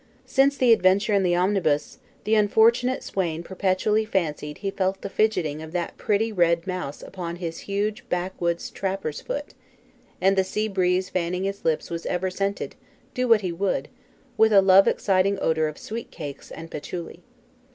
Since the adventure in the omnibus, the unfortunate swain perpetually fancied he felt the fidgeting of that pretty red mouse upon his huge backwoods trapper's foot; and the sea breeze fanning his lips was ever scented, do what he would, with a love exciting odour of sweet cakes and patchouli.